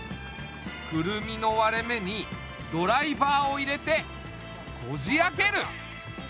クルミの割れ目にドライバーを入れてこじ開ける。